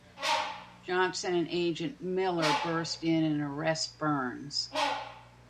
Johnson and Agent Miller burst in and arrest Burns.